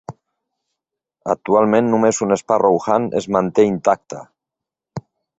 Actualment només un Sparrowhawk es manté intacte.